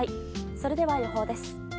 それでは予報です。